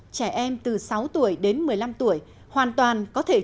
trẻ em từ sáu tuổi đến một mươi năm tuổi hoàn toàn có thể đào tạo